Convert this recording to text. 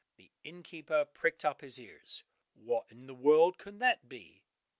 The inn keeper pricked up his ears, "What in the world can that be?"